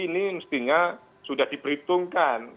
ini mestinya sudah diperhitungkan